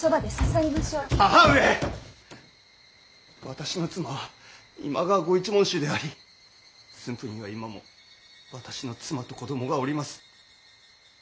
私の妻は今川御一門衆であり駿府には今も私の妻と子供がおります。